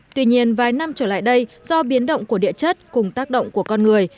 tuy nhiên vài năm trở lại đây do biến động của địa chất cùng tác động của con người